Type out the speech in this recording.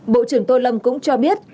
bộ trưởng tô lâm cũng cho biết